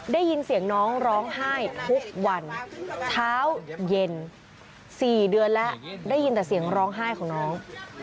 ได้ยินเสียงน้องร้องไห้ทุกวันเช้าเย็น๔เดือนแล้วได้ยินแต่เสียงร้องไห้ของน้อง